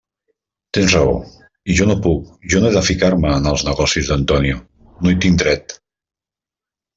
Tens raó; i jo no puc, jo no he de ficar-me en els negocis d'Antonio; no hi tinc dret.